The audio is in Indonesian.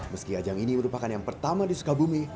meski ajang ini merupakan yang pertama di sukar bumi